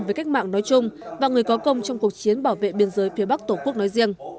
với cách mạng nói chung và người có công trong cuộc chiến bảo vệ biên giới phía bắc tổ quốc nói riêng